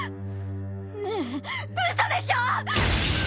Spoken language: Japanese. ねえうそでしょ